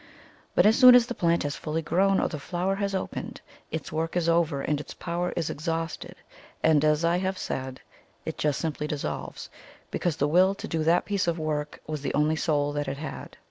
But as soon as the plant has fully grown, or the flower has opened, its work is over and its power is exhausted, and, as I have said, it just simply dissolves, because the will to do that piece of work was the only soul that it had.